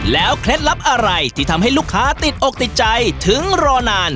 เคล็ดลับอะไรที่ทำให้ลูกค้าติดอกติดใจถึงรอนาน